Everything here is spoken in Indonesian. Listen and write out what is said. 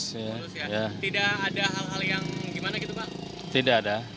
tidak ada hal hal yang gimana gitu pak